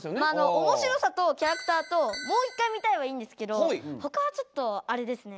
「おもしろさ」と「キャラクター」と「もう１回見たい」はいいんですけど他はちょっとあれですね。